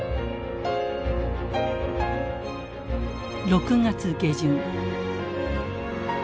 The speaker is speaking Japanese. ６月下旬。